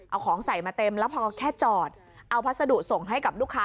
เอาของใส่มาเต็มแล้วพอแค่จอดเอาพัสดุส่งให้กับลูกค้า